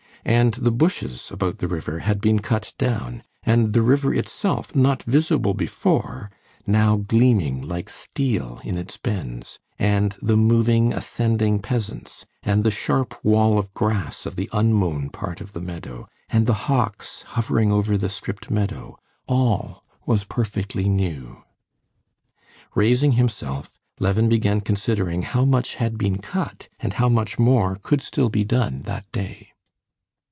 And the bushes about the river had been cut down, and the river itself, not visible before, now gleaming like steel in its bends, and the moving, ascending, peasants, and the sharp wall of grass of the unmown part of the meadow, and the hawks hovering over the stripped meadow—all was perfectly new. Raising himself, Levin began considering how much had been cut and how much more could still be done that day.